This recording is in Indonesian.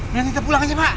minyak kita pulang aja mak